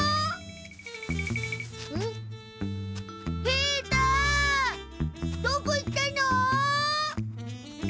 平太どこ行ったの？